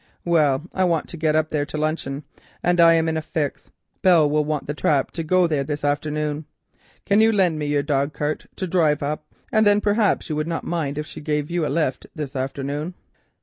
"Well, I want to get up there to luncheon, and I am in a fix. Mrs. Quest will want the trap to go there this afternoon. Can you lend me your dogcart to drive up in? and then perhaps you would not mind if she gave you a lift this afternoon."